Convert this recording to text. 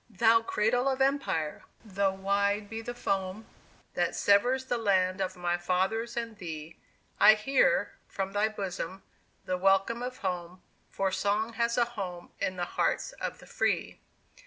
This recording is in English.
Thou Cradle of Empire! though wide be the foam That severs the land of my fathers and thee, I hear, from thy bosom, the welcome of home, For Song has a home in the hearts of the Free!